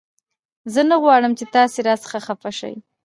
زه نه غواړم چې تاسې را څخه خفه شئ